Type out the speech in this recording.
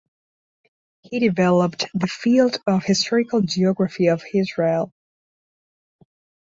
He developed the field of historical geography of Israel.